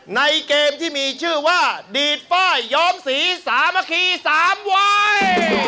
ในเกมที่มีชื่อว่าดีดป้ายย้อมสีสามัคคี๓วัย